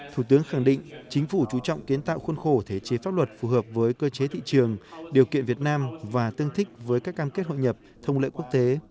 thủ tướng khẳng định chính phủ chú trọng kiến tạo khuôn khổ thể chế pháp luật phù hợp với cơ chế thị trường điều kiện việt nam và tương thích với các cam kết hội nhập thông lệ quốc tế